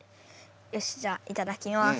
よしじゃあいただきます。